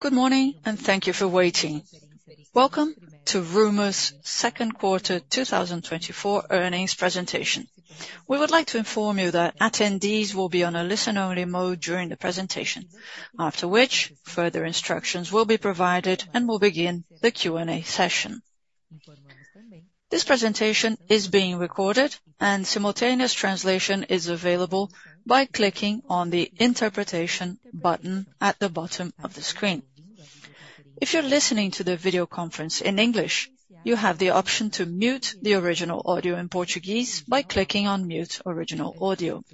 Good morning, and thank you for waiting. Welcome to Rumo's second quarter 2024 earnings presentation. We would like to inform you that attendees will be on a listen-only mode during the presentation, after which, further instructions will be provided, and we'll begin the Q&A session. This presentation is being recorded, and simultaneous translation is available by clicking on the interpretation button at the bottom of the screen. If you're listening to the video conference in English, you have the option to mute the original audio in Portuguese by clicking on Mute Original Audio.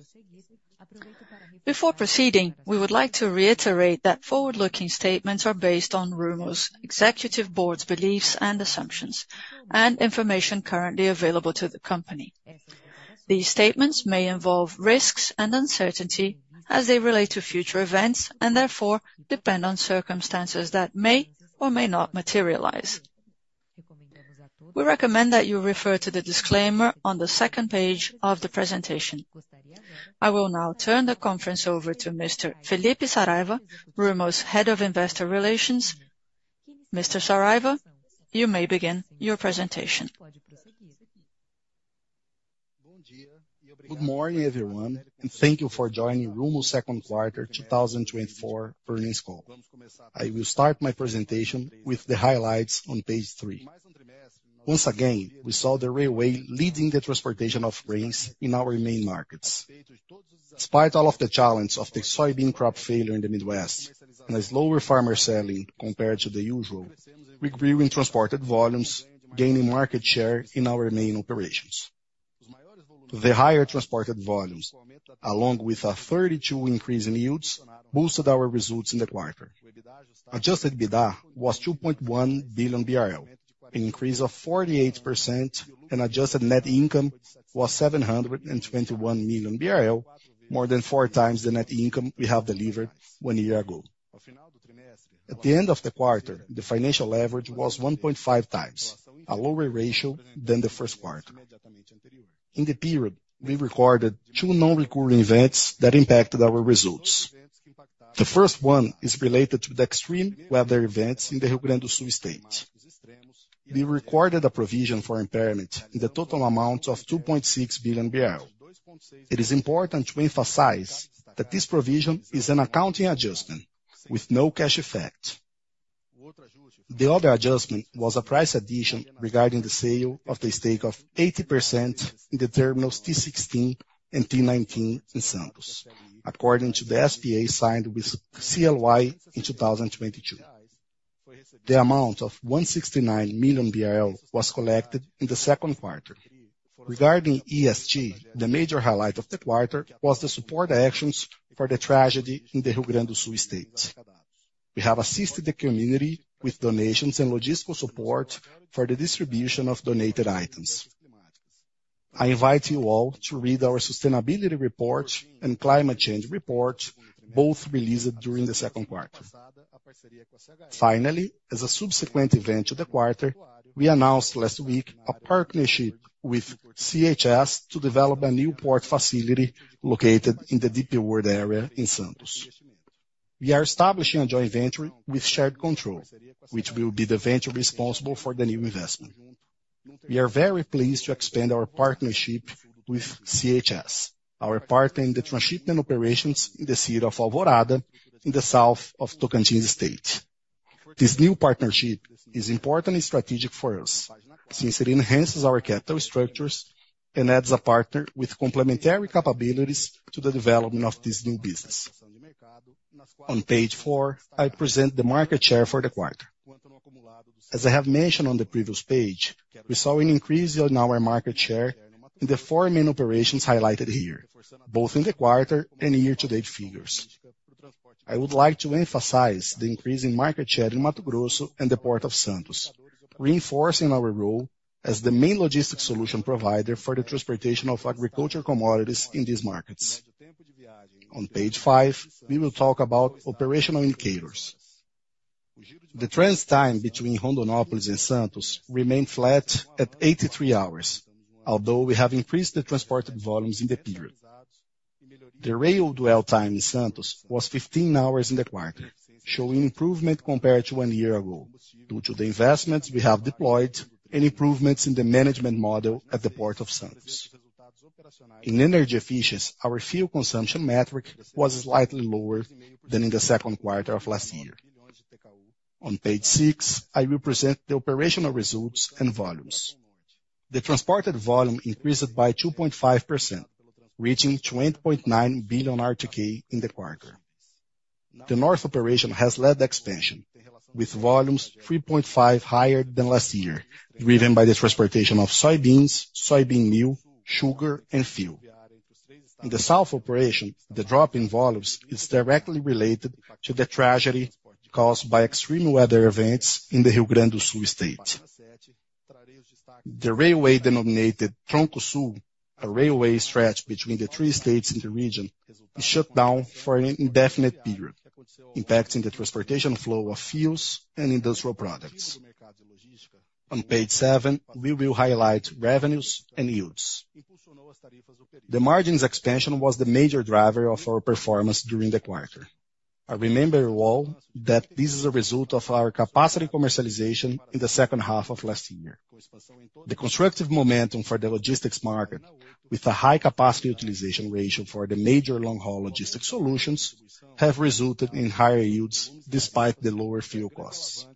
Before proceeding, we would like to reiterate that forward-looking statements are based on Rumo's executive board's beliefs and assumptions, and information currently available to the company. These statements may involve risks and uncertainty as they relate to future events, and therefore depend on circumstances that may or may not materialize. We recommend that you refer to the disclaimer on the second page of the presentation. I will now turn the conference over to Mr. Felipe Saraiva, Rumo's Head of Investor Relations. Mr. Saraiva, you may begin your presentation. Good morning, everyone, and thank you for joining Rumo's second quarter 2024 earnings call. I will start my presentation with the highlights on page 3. Once again, we saw the railway leading the transportation of grains in our main markets. Despite all of the challenge of the soybean crop failure in the Midwest and a slower farmer selling compared to the usual, we grew in transported volumes, gaining market share in our main operations. The higher transported volumes, along with a 32 increase in yields, boosted our results in the quarter. Adjusted EBITDA was 2.1 billion BRL, an increase of 48%, and adjusted net income was 721 million BRL, more than 4x the net income we have delivered 1 year ago. At the end of the quarter, the financial average was 1.5 times, a lower ratio than the first quarter. In the period, we recorded two non-recurring events that impacted our results. The first one is related to the extreme weather events in the Rio Grande do Sul state. We recorded a provision for impairment in the total amount of 2.6 billion. It is important to emphasize that this provision is an accounting adjustment with no cash effect. The other adjustment was a price addition regarding the sale of the stake of 80% in the terminals T16 and T19 in Santos, according to the SPA signed with CLI in 2022. The amount of 169 million BRL was collected in the second quarter. Regarding ESG, the major highlight of the quarter was the support actions for the tragedy in the Rio Grande do Sul state. We have assisted the community with donations and logistical support for the distribution of donated items. I invite you all to read our sustainability report and climate change report, both released during the second quarter. Finally, as a subsequent event to the quarter, we announced last week a partnership with CHS to develop a new port facility located in the DP World area in Santos. We are establishing a joint venture with shared control, which will be the venture responsible for the new investment. We are very pleased to expand our partnership with CHS, our partner in the transshipment operations in the city of Alvorada, in the south of Tocantins State. This new partnership is important and strategic for us, since it enhances our capital structures and adds a partner with complementary capabilities to the development of this new business. On page 4, I present the market share for the quarter. As I have mentioned on the previous page, we saw an increase in our market share in the four main operations highlighted here, both in the quarter and year-to-date figures. I would like to emphasize the increase in market share in Mato Grosso and the Port of Santos, reinforcing our role as the main logistics solution provider for the transportation of agricultural commodities in these markets. On page 5, we will talk about operational indicators. The transit time between Rondonópolis and Santos remained flat at 83 hours, although we have increased the transported volumes in the period. The rail dwell time in Santos was 15 hours in the quarter, showing improvement compared to one year ago, due to the investments we have deployed and improvements in the management model at the Port of Santos. In energy efficiency, our fuel consumption metric was slightly lower than in the second quarter of last year. On page 6, I will present the operational results and volumes. The transported volume increased by 2.5%, reaching 20.9 billion RTK in the quarter. The north operation has led the expansion, with volumes 3.5 higher than last year, driven by the transportation of soybeans, soybean meal, sugar, and fuel. In the south operation, the drop in volumes is directly related to the tragedy caused by extreme weather events in the Rio Grande do Sul state. The railway, denominated Tronco Sul, a railway stretch between the three states in the region, is shut down for an indefinite period, impacting the transportation flow of fuels and industrial products. On page seven, we will highlight revenues and yields... The margins expansion was the major driver of our performance during the quarter. I remember you all that this is a result of our capacity commercialization in the second half of last year. The constructive momentum for the logistics market, with a high capacity utilization ratio for the major long-haul logistics solutions, have resulted in higher yields despite the lower fuel costs.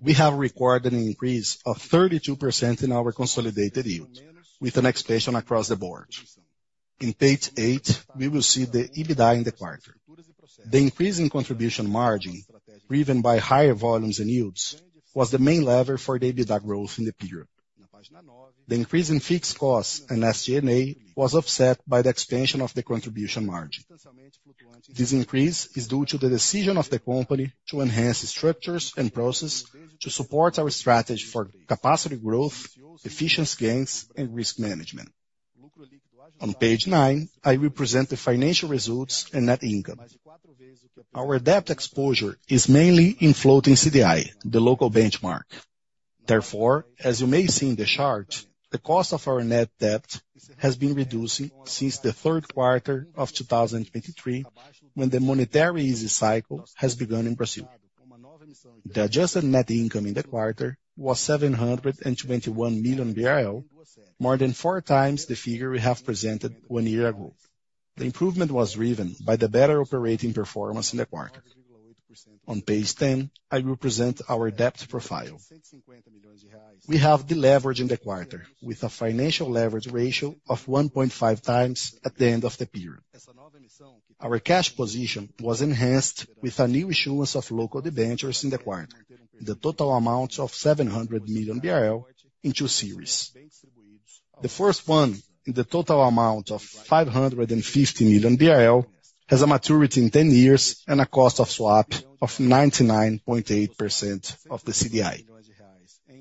We have recorded an increase of 32% in our consolidated yield, with an expansion across the board. In page eight, we will see the EBITDA in the quarter. The increase in contribution margin, driven by higher volumes and yields, was the main lever for the EBITDA growth in the period. The increase in fixed costs and SG&A was offset by the expansion of the contribution margin. This increase is due to the decision of the company to enhance structures and processes to support our strategy for capacity growth, efficiency gains, and risk management. On page nine, I will present the financial results and net income. Our debt exposure is mainly in floating CDI, the local benchmark. Therefore, as you may see in the chart, the cost of our net debt has been reducing since the third quarter of 2023, when the monetary easing cycle has begun in Brazil. The adjusted net income in the quarter was 721 million BRL, more than four times the figure we have presented 1 year ago. The improvement was driven by the better operating performance in the quarter. On page 10, I will present our debt profile. We have deleveraged in the quarter, with a financial leverage ratio of 1.5 times at the end of the period. Our cash position was enhanced with a new issuance of local debentures in the quarter, in the total amount of 700 million BRL in two series. The first one, in the total amount of 550 million BRL, has a maturity in 10 years and a cost of swap of 99.8% of the CDI.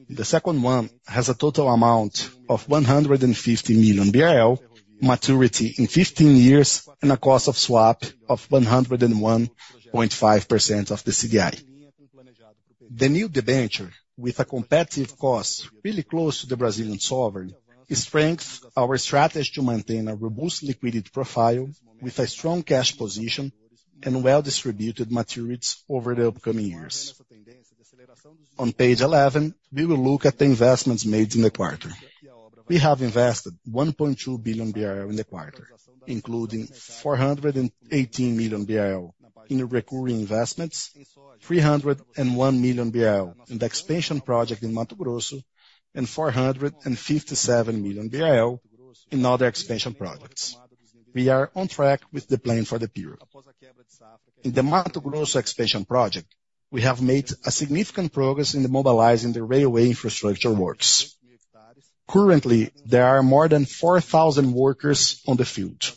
The second one has a total amount of 150 million BRL, maturity in 15 years, and a cost of swap of 101.5% of the CDI. The new debenture, with a competitive cost really close to the Brazilian sovereign, strengthens our strategy to maintain a robust liquidity profile, with a strong cash position and well-distributed maturities over the upcoming years. On page 11, we will look at the investments made in the quarter. We have invested 1.2 billion BRL in the quarter, including 418 million BRL in recurring investments, 301 million BRL in the expansion project in Mato Grosso, and 457 million BRL in other expansion projects. We are on track with the plan for the period. In the Mato Grosso expansion project, we have made a significant progress in mobilizing the railway infrastructure works. Currently, there are more than 4,000 workers on the field.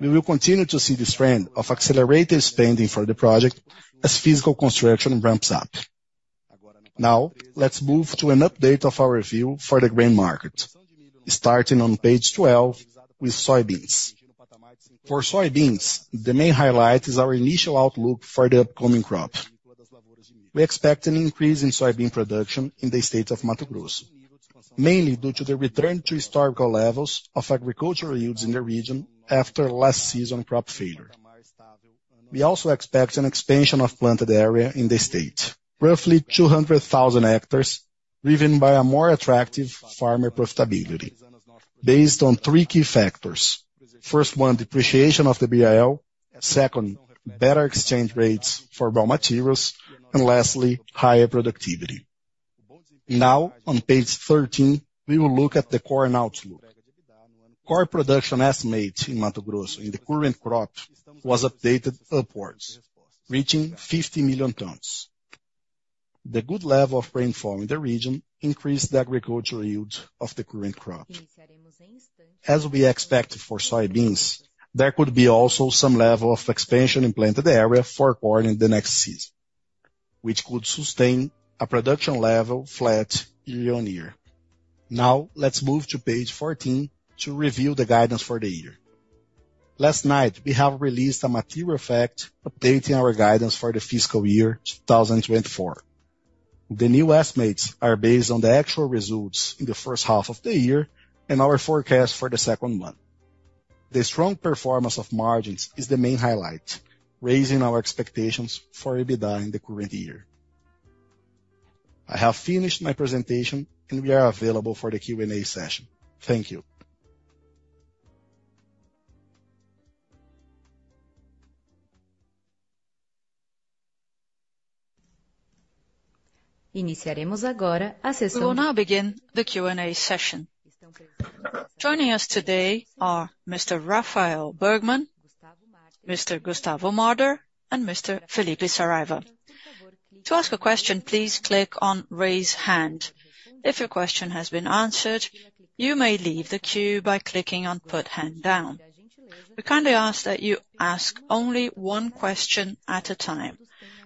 We will continue to see this trend of accelerated spending for the project as physical construction ramps up. Now, let's move to an update of our review for the grain market, starting on page 12 with soybeans. For soybeans, the main highlight is our initial outlook for the upcoming crop. We expect an increase in soybean production in the state of Mato Grosso, mainly due to the return to historical levels of agricultural yields in the region after last season's crop failure. We also expect an expansion of planted area in the state, roughly 200,000 hectares, driven by a more attractive farmer profitability based on three key factors: first one, depreciation of the BRL, second, better exchange rates for raw materials, and lastly, higher productivity. Now, on page 13, we will look at the corn outlook. Corn production estimates in Mato Grosso in the current crop was updated upwards, reaching 50 million tons. The good level of rainfall in the region increased the agricultural yield of the current crop. As we expect for soybeans, there could be also some level of expansion in planted area for corn in the next season, which could sustain a production level flat year-over-year. Now, let's move to page 14 to review the guidance for the year. Last night, we have released a material fact updating our guidance for the fiscal year 2024. The new estimates are based on the actual results in the first half of the year and our forecast for the second half. The strong performance of margins is the main highlight, raising our expectations for EBITDA in the current year. I have finished my presentation, and we are available for the Q&A session. Thank you. We will now begin the Q&A session. Joining us today are Mr. Rafael Bergmann, Mr. Gustavo Marder, and Mr. Felipe Saraiva. To ask a question, please click on Raise Hand. If your question has been answered, you may leave the queue by clicking on put hand down. We kindly ask that you ask only one question at a time,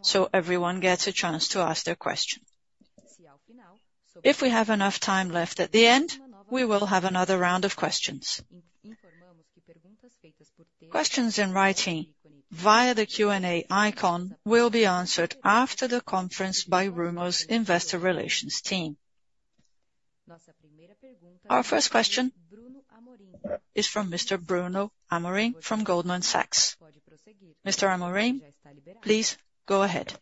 so everyone gets a chance to ask their question. If we have enough time left at the end, we will have another round of questions... Questions in writing via the Q&A icon will be answered after the conference by Rumo's Investor Relations team. Our first question is from Mr. Bruno Amorim, from Goldman Sachs. Mr. Amorim, please go ahead.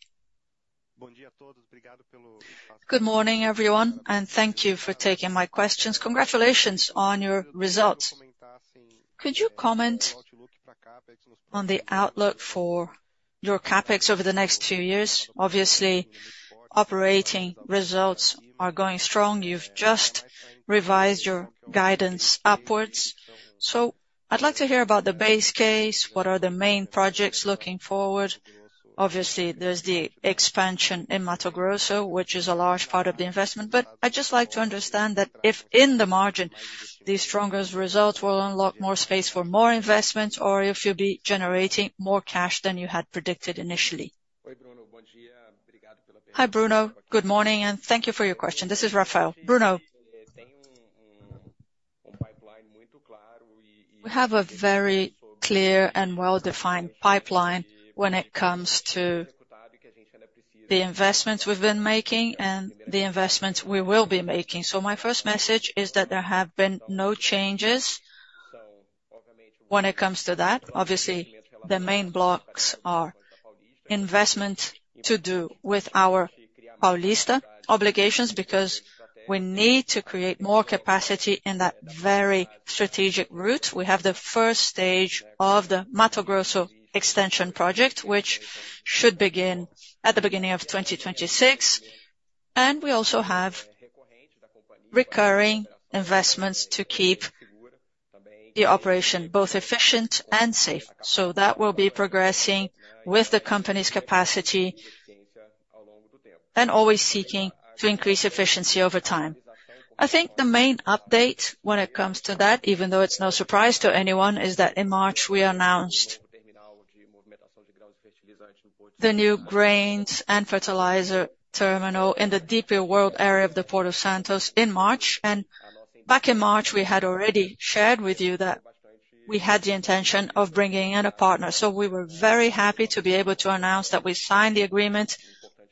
Good morning, everyone, and thank you for taking my questions. Congratulations on your results. Could you comment on the outlook for your CapEx over the next two years? Obviously, operating results are going strong. You've just revised your guidance upwards. I'd like to hear about the base case. What are the main projects looking forward? Obviously, there's the expansion in Mato Grosso, which is a large part of the investment, but I'd just like to understand that if in the margin, the strongest results will unlock more space for more investment, or if you'll be generating more cash than you had predicted initially. Hi, Bruno. Good morning, and thank you for your question. This is Rafael. Bruno, we have a very clear and well-defined pipeline when it comes to the investments we've been making and the investments we will be making. My first message is that there have been no changes when it comes to that. Obviously, the main blocks are investment to do with our Paulista obligations, because we need to create more capacity in that very strategic route. We have the first stage of the Mato Grosso extension project, which should begin at the beginning of 2026, and we also have recurring investments to keep the operation both efficient and safe. So that will be progressing with the company's capacity and always seeking to increase efficiency over time. I think the main update when it comes to that, even though it's no surprise to anyone, is that in March, we announced the new grains and fertilizer terminal in the DP World area of the Port of Santos in March, and back in March, we had already shared with you that we had the intention of bringing in a partner. So we were very happy to be able to announce that we signed the agreement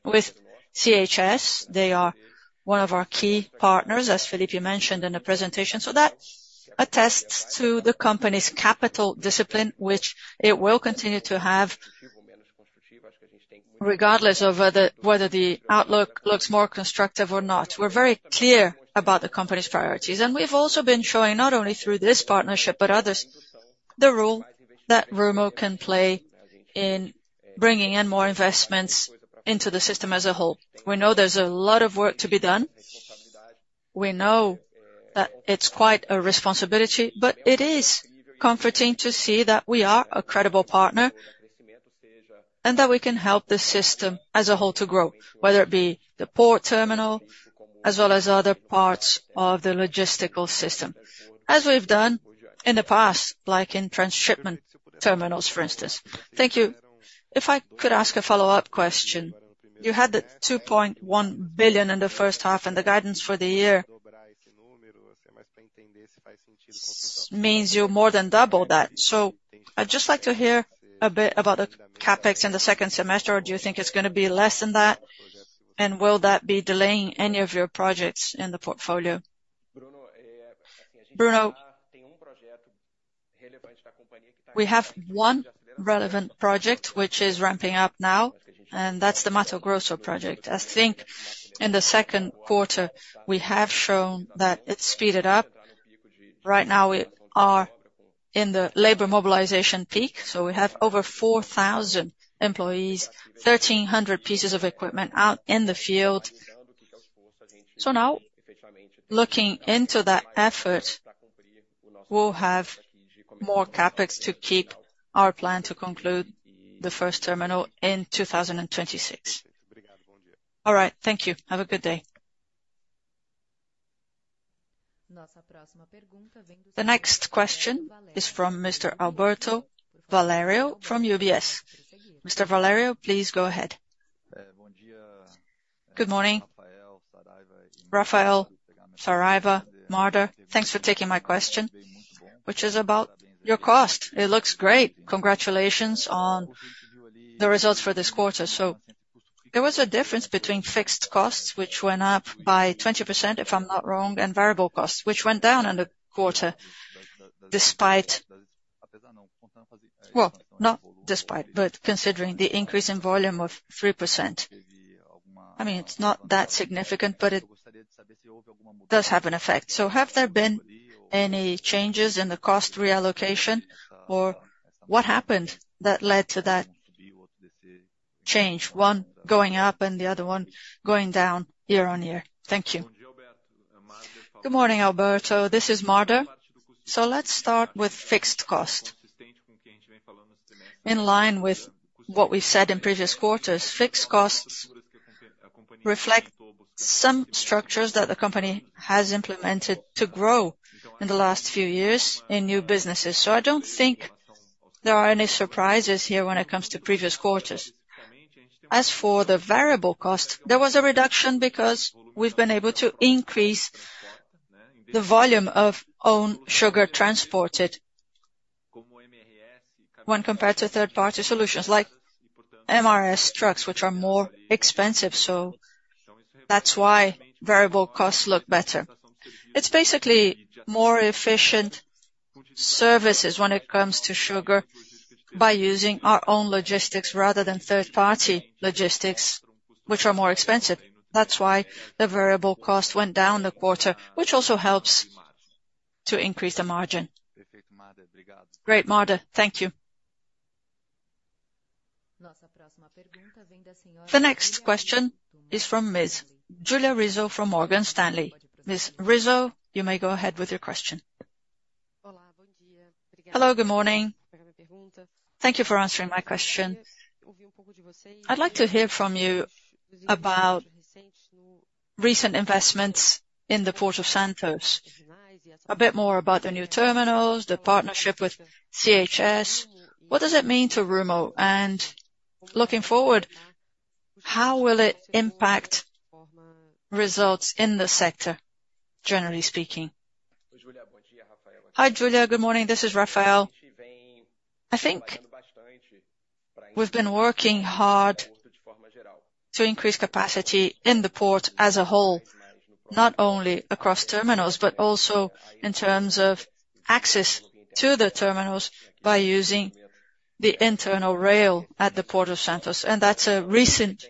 with CHS. They are one of our key partners, as Felipe mentioned in the presentation. So that attests to the company's capital discipline, which it will continue to have, regardless of whether the outlook looks more constructive or not. We're very clear about the company's priorities, and we've also been showing, not only through this partnership, but others, the role that Rumo can play in bringing in more investments into the system as a whole. We know there's a lot of work to be done. We know that it's quite a responsibility, but it is comforting to see that we are a credible partner and that we can help the system as a whole to grow, whether it be the port terminal as well as other parts of the logistical system, as we've done in the past, like in transshipment terminals, for instance. Thank you. If I could ask a follow-up question. You had the 2.1 billion in the first half, and the guidance for the year means you'll more than double that. So I'd just like to hear a bit about the CapEx in the second semester, or do you think it's gonna be less than that? And will that be delaying any of your projects in the portfolio? Bruno, we have one relevant project which is ramping up now, and that's the Mato Grosso project. I think in the second quarter, we have shown that it's speeded up. Right now, we are in the labor mobilization peak, so we have over 4,000 employees, 1,300 pieces of equipment out in the field. So now, looking into that effort, we'll have more CapEx to keep our plan to conclude the first terminal in 2026. All right. Thank you. Have a good day. The next question is from Mr. Alberto Valerio from UBS. Mr. Valerio, please go ahead. Good morning, Rafael, Saraiva, Marder. Thanks for taking my question, which is about your cost. It looks great. Congratulations on the results for this quarter. So there was a difference between fixed costs, which went up by 20%, if I'm not wrong, and variable costs, which went down in the quarter, despite. Well, not despite, but considering the increase in volume of 3%. I mean, it's not that significant, but it does have an effect. So have there been any changes in the cost reallocation, or what happened that led to that change, one going up and the other one going down year on year? Thank you. Good morning, Alberto. This is Marder. So let's start with fixed cost. In line with what we said in previous quarters, fixed costs reflect some structures that the company has implemented to grow in the last few years in new businesses. So I don't think there aren't any surprises here when it comes to previous quarters. As for the variable cost, there was a reduction because we've been able to increase the volume of own sugar transported when compared to third-party solutions, like MRS trucks, which are more expensive. So that's why variable costs look better. It's basically more efficient services when it comes to sugar by using our own logistics rather than third-party logistics, which are more expensive. That's why the variable cost went down in the quarter, which also helps to increase the margin. Great, Marder. Thank you. The next question is from Ms. Julia Rizzo from Morgan Stanley. Ms. Rizzo, you may go ahead with your question. Hello, good morning. Thank you for answering my question. I'd like to hear from you about recent investments in the Port of Santos. A bit more about the new terminals, the partnership with CHS. What does it mean to Rumo? And looking forward, how will it impact results in the sector, generally speaking? Hi, Julia. Good morning. This is Rafael. I think we've been working hard to increase capacity in the port as a whole, not only across terminals, but also in terms of access to the terminals by using the internal rail at the Port of Santos, and that's a recent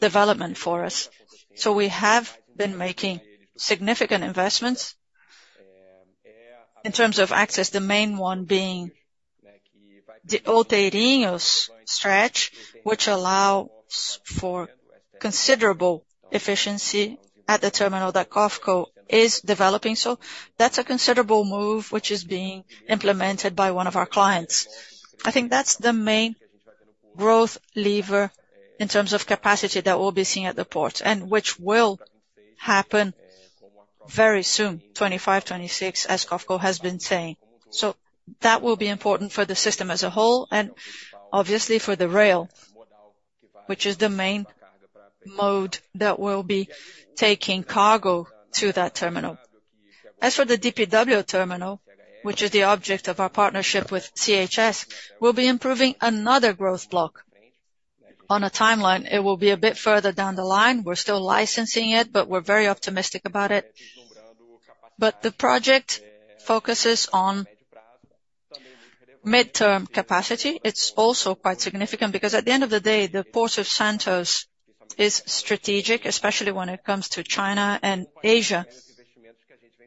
development for us. So we have been making significant investments. In terms of access, the main one being the Outeirinhos stretch, which allows for considerable efficiency at the terminal that COFCO is developing. So that's a considerable move, which is being implemented by one of our clients. I think that's the main growth lever in terms of capacity that we'll be seeing at the port, and which will happen very soon, 2025, 2026, as COFCO has been saying. So that will be important for the system as a whole and obviously for the rail, which is the main mode that will be taking cargo to that terminal. As for the DPW terminal, which is the object of our partnership with CHS, we'll be improving another growth block. On a timeline, it will be a bit further down the line. We're still licensing it, but we're very optimistic about it. But the project focuses on mid-term capacity. It's also quite significant because at the end of the day, the Port of Santos is strategic, especially when it comes to China and Asia,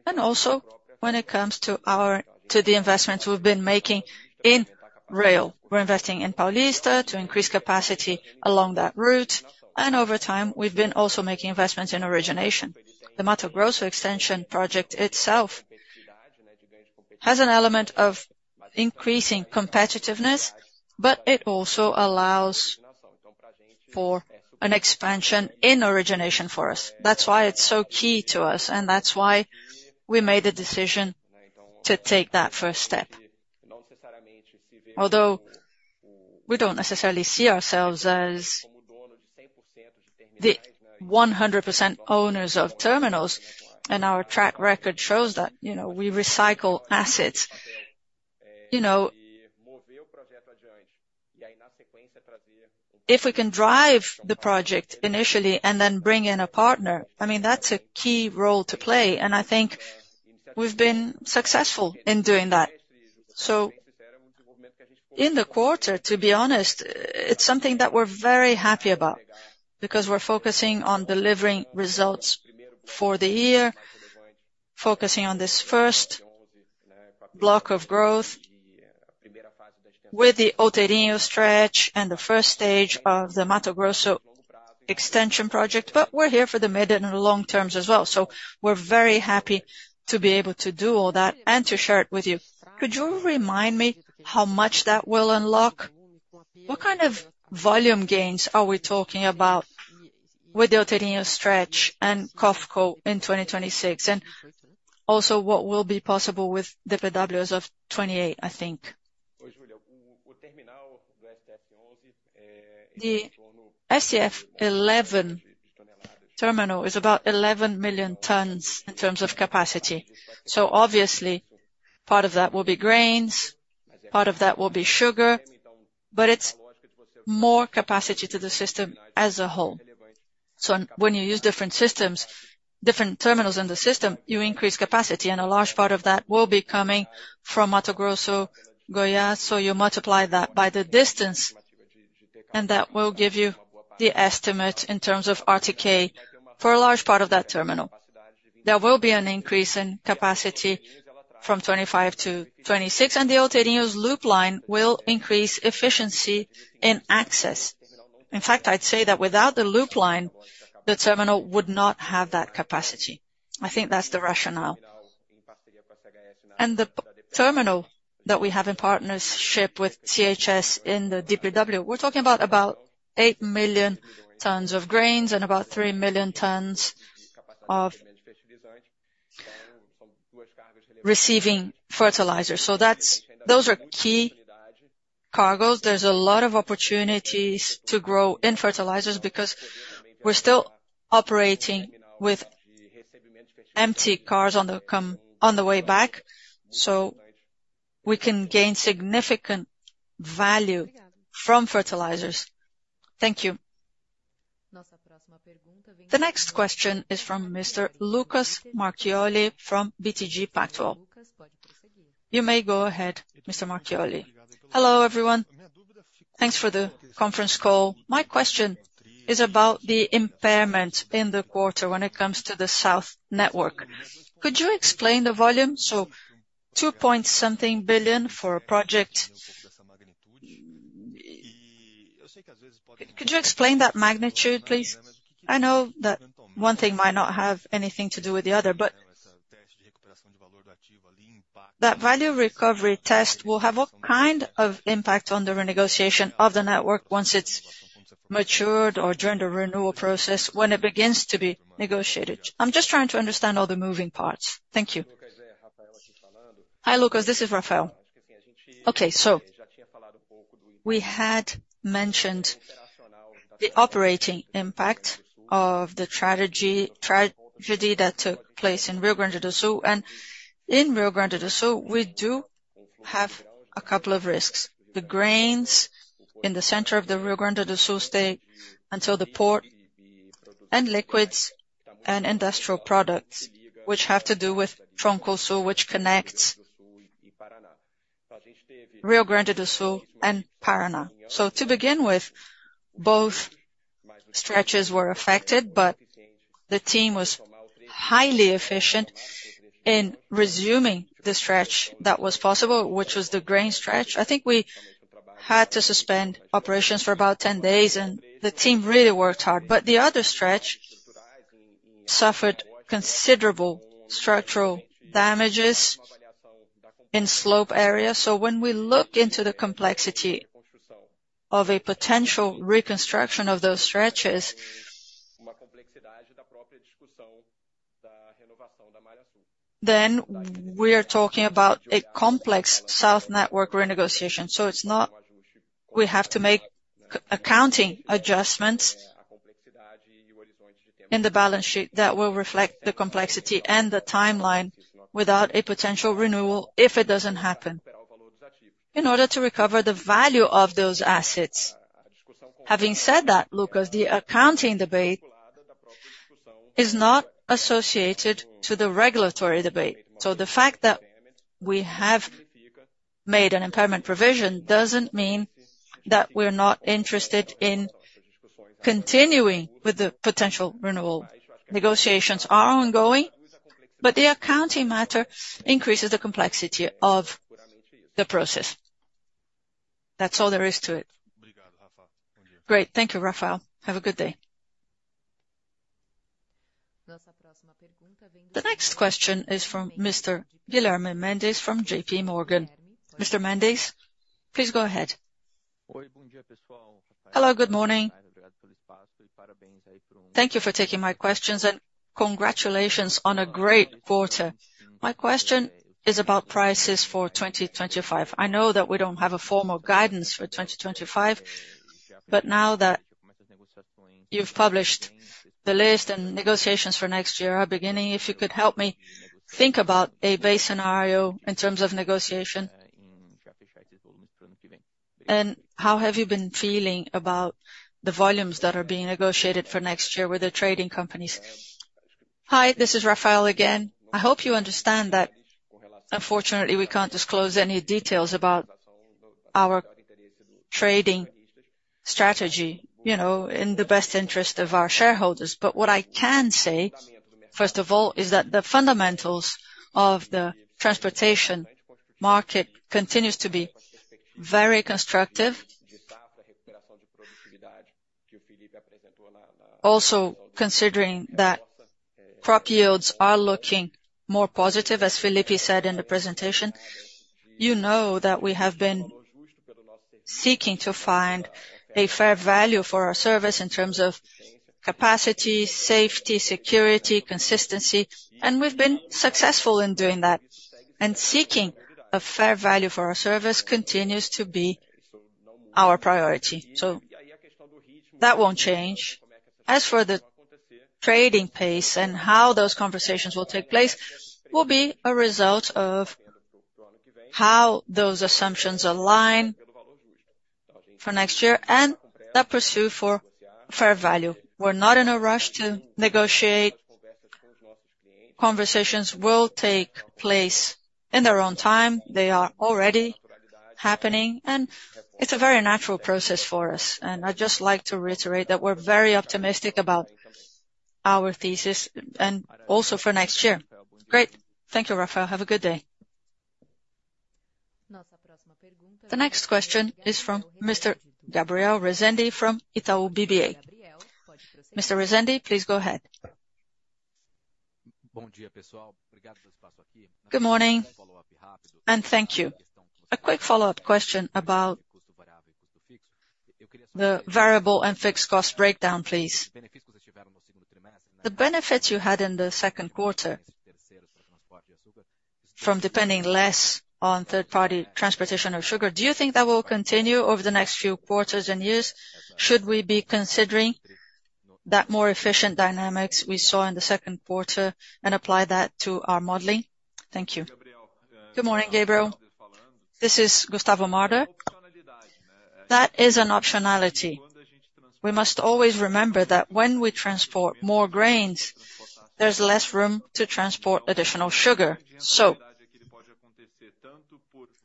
and also when it comes to our, to the investments we've been making in rail. We're investing in Paulista to increase capacity along that route, and over time, we've been also making investments in origination. The Mato Grosso extension project itself has an element of increasing competitiveness, but it also allows for an expansion in origination for us. That's why it's so key to us, and that's why we made a decision to take that first step. Although we don't necessarily see ourselves as the 100% owners of terminals, and our track record shows that, we recycle assets. If we can drive the project initially and then bring in a partner, I mean, that's a key role to play, and I think we've been successful in doing that. So in the quarter, to be honest, it's something that we're very happy about because we're focusing on delivering results for the year, focusing on this first block of growth with the Outeirinhos stretch and the first stage of the Mato Grosso extension project, but we're here for the mid and the long terms as well. So we're very happy to be able to do all that and to share it with you. Could you remind me how much that will unlock? What kind of volume gains are we talking about with the Outeirinhos stretch and COFCO in 2026, and also what will be possible with DPW as of 2028, I think? The STS11 terminal is about 11 million tons in terms of capacity. So obviously, part of that will be grains, part of that will be sugar, but it's more capacity to the system as a whole. So when you use different systems, different terminals in the system, you increase capacity, and a large part of that will be coming from Mato Grosso, Goiás, so you multiply that by the distance, and that will give you the estimate in terms of RTK for a large part of that terminal. There will be an increase in capacity from 25 to 26, and the Outeirinhos loop line will increase efficiency in access. In fact, I'd say that without the loop line, the terminal would not have that capacity. I think that's the rationale. And the terminal that we have in partnership with CHS in the DP World, we're talking about, about 8 million tons of grains and about 3 million tons of-... receiving fertilizer. So that's, those are key cargoes. There's a lot of opportunities to grow in fertilizers, because we're still operating with empty cars on the way back, so we can gain significant value from fertilizers. Thank you. The next question is from Mr. Lucas Marquiori from BTG Pactual. You may go ahead, Mr. Marquiori. Hello, everyone. Thanks for the conference call. My question is about the impairment in the quarter when it comes to the South Network. Could you explain the volume? So BRL 2.something billion for a project. Could you explain that magnitude, please? I know that one thing might not have anything to do with the other, but that value recovery test will have what kind of impact on the renegotiation of the network once it's matured or during the renewal process when it begins to be negotiated? I'm just trying to understand all the moving parts. Thank you. Hi, Lucas, this is Rafael. Okay, so we had mentioned the operating impact of the tragedy that took place in Rio Grande do Sul. In Rio Grande do Sul, we do have a couple of risks: the grains in the center of the Rio Grande do Sul stay until the port, and liquids and industrial products, which have to do with Tronco Sul, which connects Rio Grande do Sul and Paraná. So to begin with, both stretches were affected, but the team was highly efficient in resuming the stretch that was possible, which was the grain stretch. I think we had to suspend operations for about 10 days, and the team really worked hard. But the other stretch suffered considerable structural damage in slope areas. So when we look into the complexity of a potential reconstruction of those stretches, then we're talking about a complex South Network renegotiation. So it's not—we have to make certain accounting adjustments in the balance sheet that will reflect the complexity and the timeline without a potential renewal if it doesn't happen, in order to recover the value of those assets. Having said that, Lucas, the accounting debate is not associated to the regulatory debate. So the fact that we have made an impairment provision doesn't mean that we're not interested in continuing with the potential renewal. Negotiations are ongoing, but the accounting matter increases the complexity of the process. That's all there is to it. Great. Thank you, Rafael. Have a good day. The next question is from Mr. Guilherme Mendes from JP Morgan. Mr. Mendes, please go ahead. Hello, good morning. Thank you for taking my questions, and congratulations on a great quarter. My question is about prices for 2025. I know that we don't have a formal guidance for 2025, but now that you've published the list and negotiations for next year are beginning, if you could help me think about a base scenario in terms of negotiation. How have you been feeling about the volumes that are being negotiated for next year with the trading companies? Hi, this is Rafael again. I hope you understand that, unfortunately, we can't disclose any details about our trading strategy, you know, in the best interest of our shareholders. But what I can say, first of all, is that the fundamentals of the transportation market continues to be very constructive. Also, considering that crop yields are looking more positive, as Felipe said in the presentation, you know that we have been seeking to find a fair value for our service in terms of capacity, safety, security, consistency, and we've been successful in doing that, and seeking a fair value for our service continues to be our priority. So that won't change. As for the trading pace and how those conversations will take place, will be a result of how those assumptions align for next year and the pursuit for fair value. We're not in a rush to negotiate. Conversations will take place in their own time. They are already happening, and it's a very natural process for us, and I'd just like to reiterate that we're very optimistic about our thesis and also for next year. Great. Thank you, Rafael. Have a good day. The next question is from Mr. Gabriel Rezende from Itaú BBA. Mr. Rezende, please go ahead. Good morning, and thank you. A quick follow-up question about the variable and fixed cost breakdown, please. The benefits you had in the second quarter from depending less on third-party transportation of sugar, do you think that will continue over the next few quarters and years? Should we be considering that more efficient dynamics we saw in the second quarter and apply that to our modeling? Thank you. Good morning, Gabriel. This is Gustavo Marder. That is an optionality. We must always remember that when we transport more grains, there's less room to transport additional sugar. So,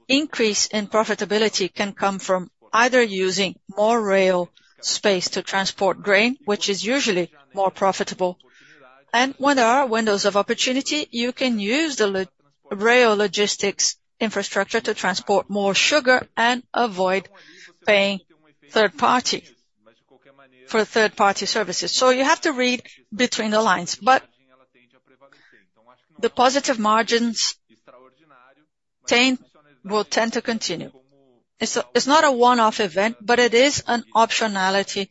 increase in profitability can come from either using more rail space to transport grain, which is usually more profitable, and when there are windows of opportunity, you can use the rail logistics infrastructure to transport more sugar and avoid paying third party, for third-party services. So you have to read between the lines. But the positive margins tend, will tend to continue. It's, it's not a one-off event, but it is an optionality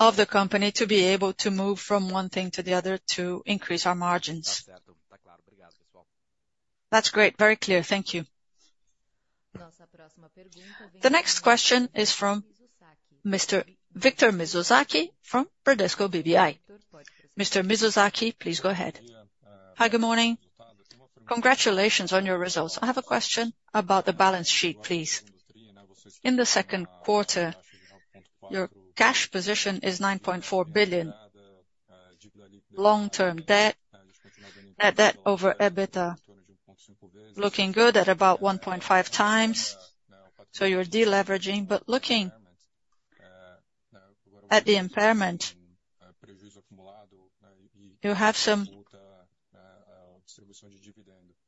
of the company to be able to move from one thing to the other to increase our margins. That's great. Very clear. Thank you. The next question is from Mr. Victor Mizusaki from Bradesco BBI. Mr. Mizusaki, please go ahead. Hi, good morning. Congratulations on your results. I have a question about the balance sheet, please. In the second quarter, your cash position is 9.4 billion. Long-term debt, net debt over EBITDA, looking good at about 1.5 times, so you're de-leveraging. But looking at the impairment, you have some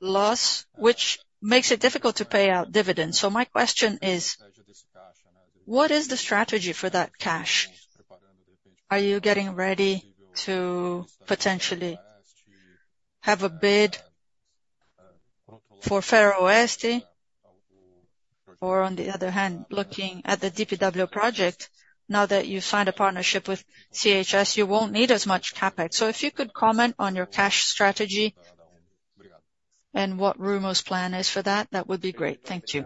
loss, which makes it difficult to pay out dividends. So my question is: what is the strategy for that cash? Are you getting ready to potentially have a bid for Ferroeste, or on the other hand, looking at the DPW project, now that you've signed a partnership with CHS, you won't need as much CapEx? So if you could comment on your cash strategy and what Rumo's plan is for that, that would be great. Thank you.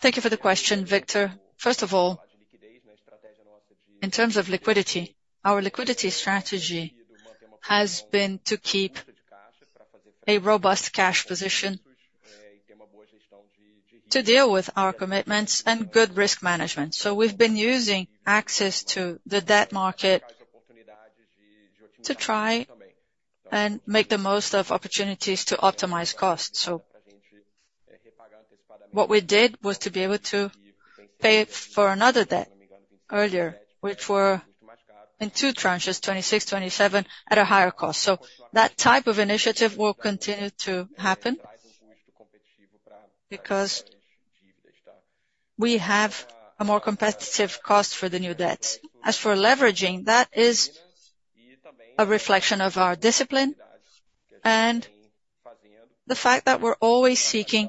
Thank you for the question, Victor. First of all, in terms of liquidity, our liquidity strategy has been to keep a robust cash position to deal with our commitments and good risk management. So we've been using access to the debt market to try and make the most of opportunities to optimize costs. So what we did was to be able to pay for another debt earlier, which were in two tranches, 2026, 2027, at a higher cost. So that type of initiative will continue to happen, because we have a more competitive cost for the new debt. As for leveraging, that is a reflection of our discipline and the fact that we're always seeking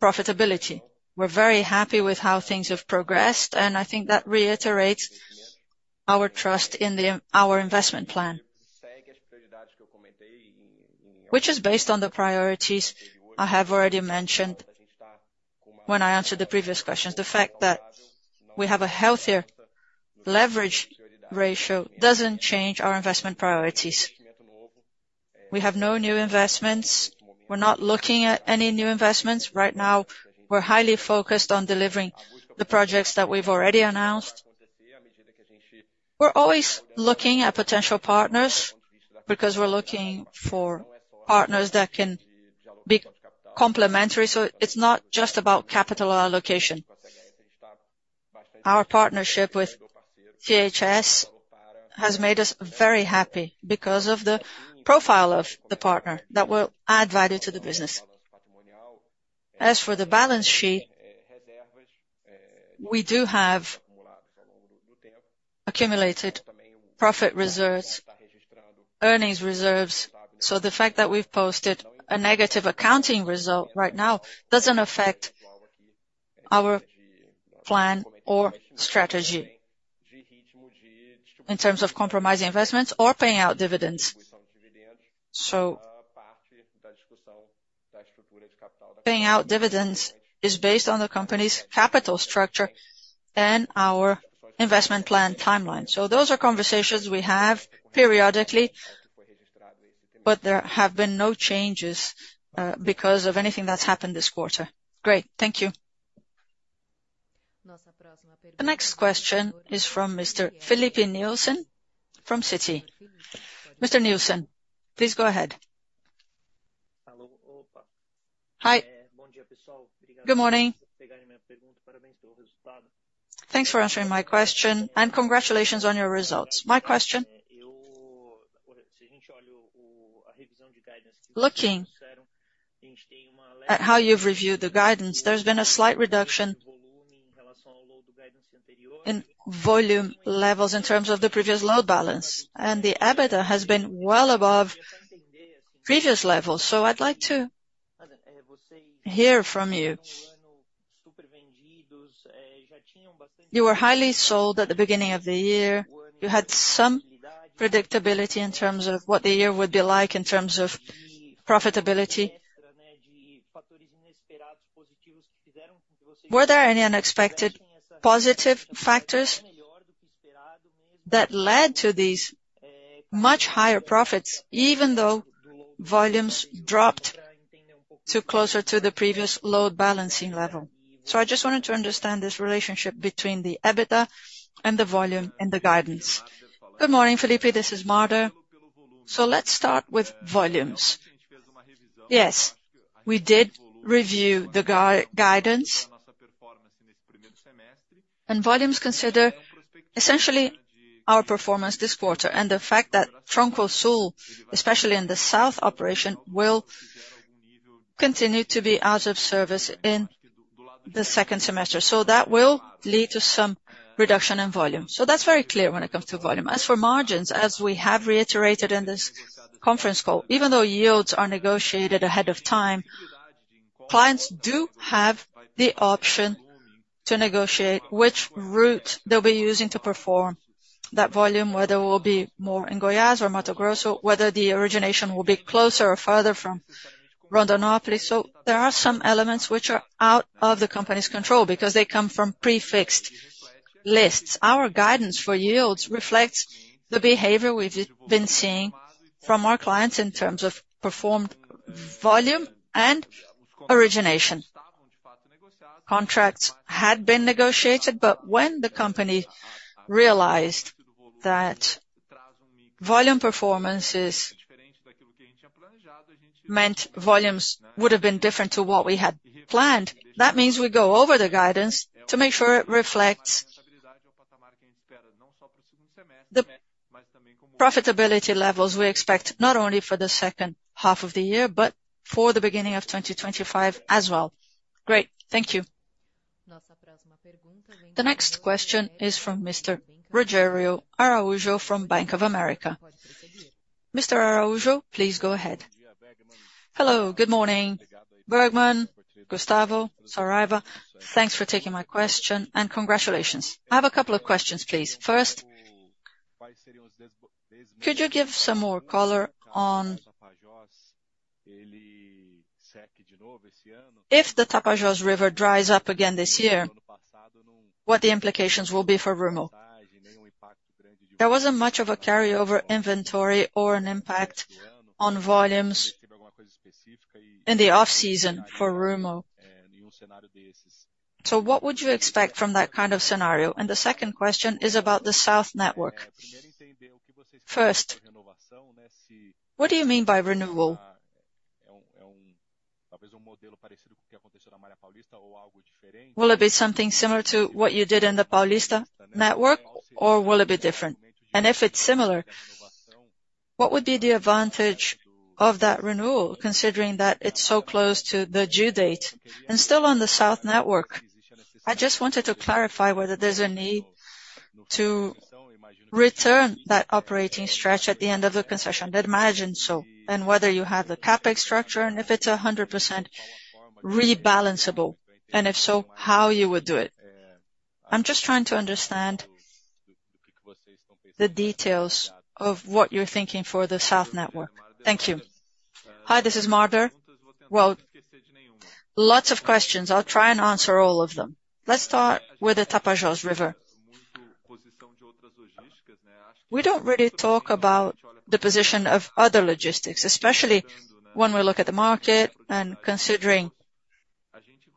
profitability. We're very happy with how things have progressed, and I think that reiterates our trust in our investment plan. Which is based on the priorities I have already mentioned when I answered the previous questions. The fact that we have a healthier leverage ratio doesn't change our investment priorities. We have no new investments. We're not looking at any new investments. Right now, we're highly focused on delivering the projects that we've already announced. We're always looking at potential partners, because we're looking for partners that can be complementary, so it's not just about capital allocation. Our partnership with CHS has made us very happy because of the profile of the partner that will add value to the business. As for the balance sheet, we do have accumulated profit reserves, earnings reserves, so the fact that we've posted a negative accounting result right now doesn't affect our plan or strategy in terms of compromising investments or paying out dividends. Paying out dividends is based on the company's capital structure and our investment plan timeline. Those are conversations we have periodically, but there have been no changes, because of anything that's happened this quarter. Great. Thank you. The next question is from Mr. Filipe Nielsen from Citi. Mr. Nielsen, please go ahead. Hi. Good morning. Thanks for answering my question, and congratulations on your results. My question, looking at how you've reviewed the guidance, there's been a slight reduction in volume levels in terms of the previous load balance, and the EBITDA has been well above previous levels. So I'd like to hear from you. You were highly sold at the beginning of the year. You had some predictability in terms of what the year would be like in terms of profitability. Were there any unexpected positive factors that led to these much higher profits, even though volumes dropped to closer to the previous load balancing level? So I just wanted to understand this relationship between the EBITDA and the volume and the guidance. Good morning, Felipe. This is Marder. So let's start with volumes. Yes, we did review the guidance, and volumes consider essentially our performance this quarter, and the fact that Tronco Sul, especially in the south operation, will continue to be out of service in the second semester. So that will lead to some reduction in volume. So that's very clear when it comes to volume. As for margins, as we have reiterated in this conference call, even though yields are negotiated ahead of time, clients do have the option to negotiate which route they'll be using to perform that volume, whether it will be more in Goiás or Mato Grosso, whether the origination will be closer or farther from Rondonópolis. So there are some elements which are out of the company's control, because they come from prefixed lists. Our guidance for yields reflects the behavior we've been seeing from our clients in terms of performed volume and origination. Contracts had been negotiated, but when the company realized that volume performances meant volumes would have been different to what we had planned, that means we go over the guidance to make sure it reflects the profitability levels we expect, not only for the second half of the year, but for the beginning of 2025 as well. Great, thank you. The next question is from Mr. Rogério Araújo from Bank of America. Mr. Araujo, please go ahead. Hello, good morning, Bergmann, Gustavo, Saraiva. Thanks for taking my question, and congratulations. I have a couple of questions, please. First, could you give some more color on... If the Tapajós River dries up again this year, what the implications will be for Rumo? There wasn't much of a carryover inventory or an impact on volumes in the off-season for Rumo. So what would you expect from that kind of scenario? The second question is about the South Network. First, what do you mean by renewal? Will it be something similar to what you did in the Paulista Network, or will it be different? And if it's similar, what would be the advantage of that renewal, considering that it's so close to the due date? And still on the South Network, I just wanted to clarify whether there's a need to return that operating stretch at the end of the concession, I'd imagine so, and whether you have the CapEx structure, and if it's 100% rebalanceable, and if so, how you would do it. I'm just trying to understand the details of what you're thinking for the South Network. Thank you. Hi, this is Marder. Well, lots of questions. I'll try and answer all of them. Let's start with the Tapajós River. We don't really talk about the position of other logistics, especially when we look at the market and considering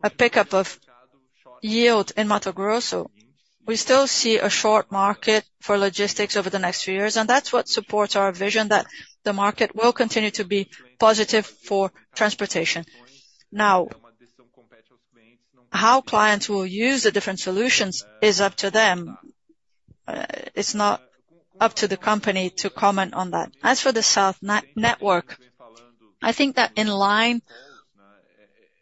a pickup of yield in Mato Grosso. We still see a short market for logistics over the next few years, and that's what supports our vision that the market will continue to be positive for transportation. Now, how clients will use the different solutions is up to them. It's not up to the company to comment on that. As for the South Network, I think that in line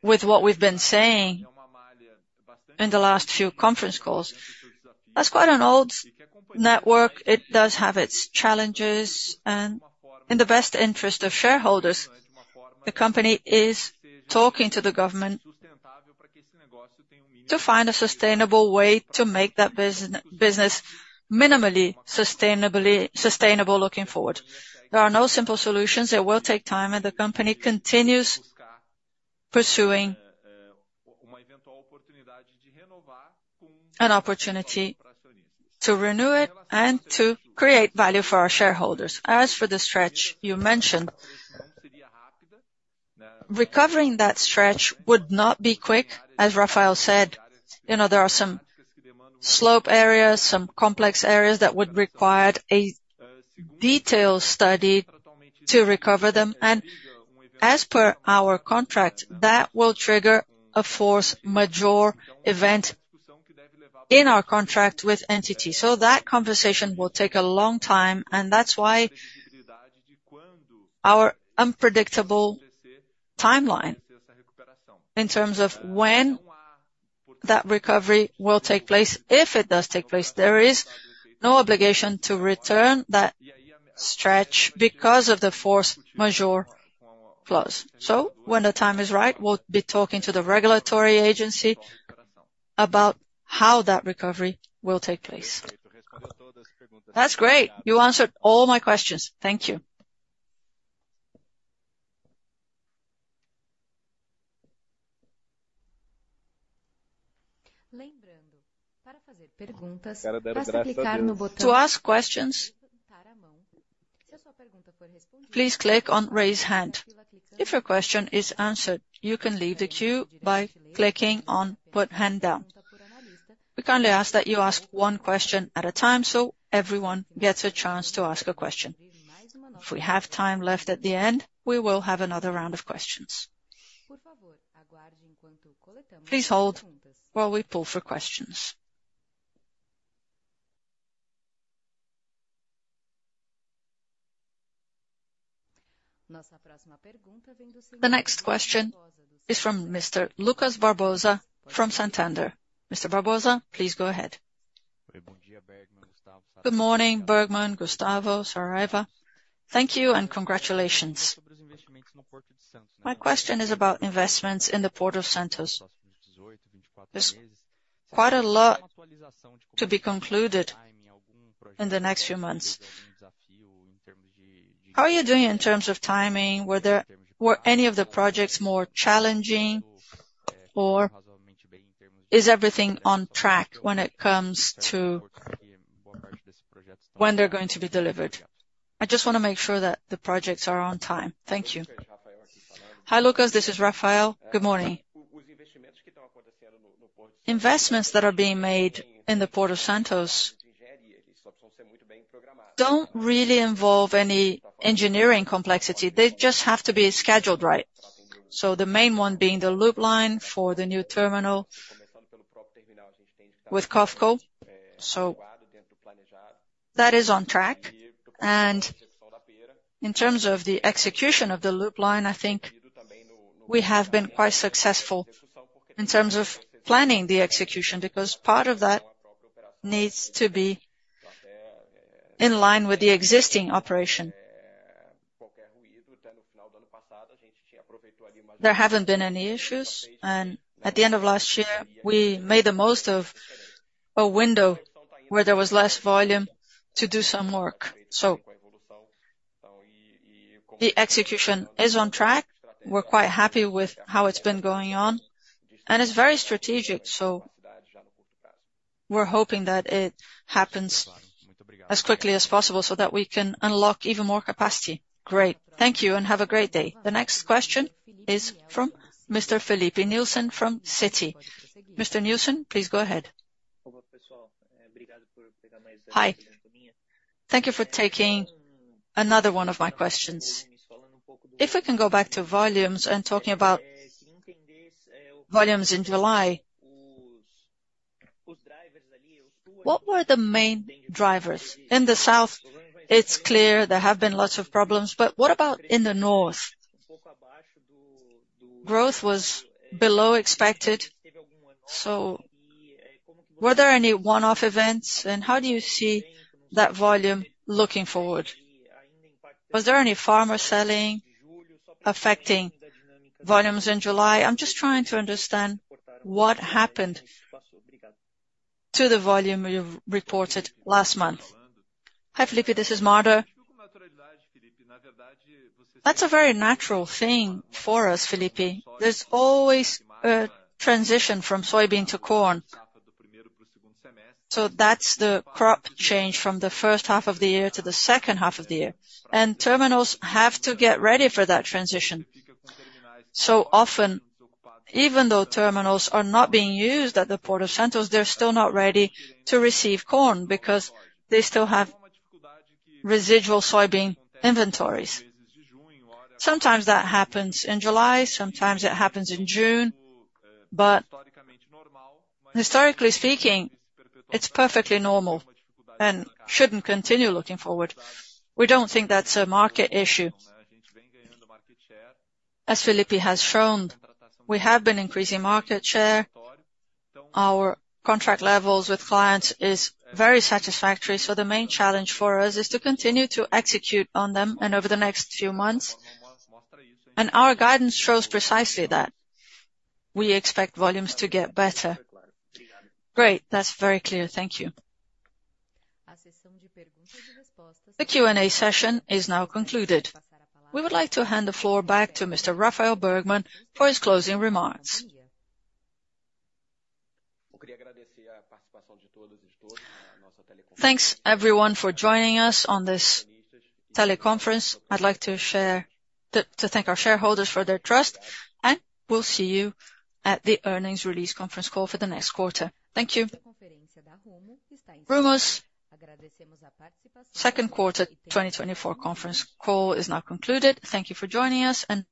with what we've been saying in the last few conference calls, that's quite an old network. It does have its challenges, and in the best interest of shareholders, the company is talking to the government to find a sustainable way to make that business minimally sustainable looking forward. There are no simple solutions. It will take time, and the company continues pursuing an opportunity to renew it and to create value for our shareholders. As for the stretch you mentioned, recovering that stretch would not be quick. As Rafael said, you know, there are some slope areas, some complex areas that would require a detailed study to recover them, and as per our contract, that will trigger a force majeure event in our contract with ANTT. So that conversation will take a long time, and that's why our unpredictable timeline in terms of when that recovery will take place. If it does take place, there is no obligation to return that stretch because of the force majeure clause. So when the time is right, we'll be talking to the regulatory agency about how that recovery will take place. That's great! You answered all my questions. Thank you. To ask questions, please click on Raise Hand. If your question is answered, you can leave the queue by clicking on Put Hand Down. We kindly ask that you ask one question at a time, so everyone gets a chance to ask a question. If we have time left at the end, we will have another round of questions. Please hold while we poll for questions. The next question is from Mr. Lucas Barbosa from Santander. Mr. Barbosa, please go ahead. Good morning, Bergmann, Gustavo, Saraiva. Thank you and congratulations. My question is about investments in the Port of Santos. There's quite a lot to be concluded in the next few months. How are you doing in terms of timing? Were there any of the projects more challenging, or is everything on track when it comes to when they're going to be delivered? I just wanna make sure that the projects are on time. Thank you. Hi, Lucas, this is Rafael. Good morning. Investments that are being made in the Port of Santos don't really involve any engineering complexity. They just have to be scheduled right. So the main one being the loop line for the new terminal with COFCO, so that is on track. And in terms of the execution of the loop line, I think we have been quite successful in terms of planning the execution, because part of that needs to be in line with the existing operation. There haven't been any issues, and at the end of last year, we made the most of a window where there was less volume to do some work. So the execution is on track. We're quite happy with how it's been going on, and it's very strategic, so we're hoping that it happens as quickly as possible, so that we can unlock even more capacity. Great. Thank you, and have a great day. The next question is from Mr. Felipe Nielsen from Citi. Mr. Nielsen, please go ahead. Hi. Thank you for taking another one of my questions. If we can go back to volumes and talking about volumes in July, what were the main drivers? In the south, it's clear there have been lots of problems, but what about in the north? Growth was below expected. So were there any one-off events, and how do you see that volume looking forward? Was there any farmer selling, affecting volumes in July? I'm just trying to understand what happened to the volume you've reported last month. Hi, Felipe, this is Marder. That's a very natural thing for us, Felipe. There's always a transition from soybean to corn, so that's the crop change from the first half of the year to the second half of the year. Terminals have to get ready for that transition. Often, even though terminals are not being used at the Port of Santos, they're still not ready to receive corn, because they still have residual soybean inventories. Sometimes that happens in July, sometimes it happens in June, but historically speaking, it's perfectly normal and shouldn't continue looking forward. We don't think that's a market issue. As Felipe has shown, we have been increasing market share. Our contract levels with clients is very satisfactory, so the main challenge for us is to continue to execute on them and over the next few months. Our guidance shows precisely that we expect volumes to get better. Great, That's very clear. Thank you. The Q&A session is now concluded. We would like to hand the floor back to Mr. Rafael Bergmann for his closing remarks. Thanks, everyone, for joining us on this teleconference. I'd like to thank our shareholders for their trust, and we'll see you at the earnings release conference call for the next quarter. Thank you. Rumo's second quarter 2024 conference call is now concluded. Thank you for joining us, and-